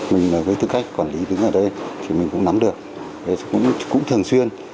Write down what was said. mình với tư cách quản lý đứng ở đây thì mình cũng nắm được cũng thường xuyên